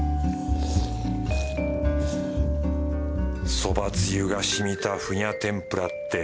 そばつゆがしみたフニャ天ぷらって。